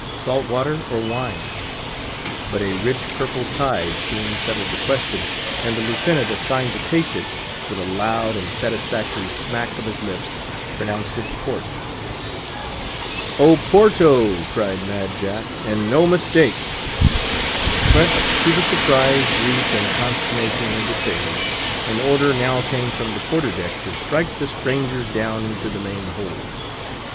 salt water or wine? But a rich purple tide soon settled the question, and the lieutenant assigned to taste it, with a loud and satisfactory smack of his lips, pronounced it Port! "Oporto!" cried Mad Jack, "and no mistake!" But, to the surprise, grief, and consternation of the sailors, an order now came from the quarter deck to strike the "strangers down into the main hold!"